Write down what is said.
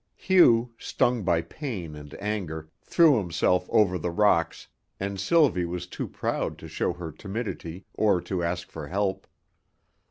Hugh, stung by pain and anger, threw himself over the rocks, and Sylvie was too proud to show her timidity or to ask for help.